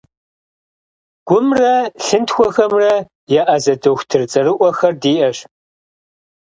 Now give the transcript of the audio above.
Гумрэ лъынтхуэхэмрэ еӏэзэ дохутыр цӏэрыӏуэхэр диӏэщ.